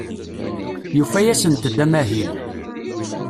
Yufa-asent-d amahil.